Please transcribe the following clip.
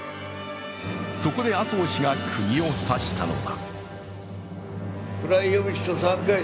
そこで麻生氏がくぎを刺したのだ。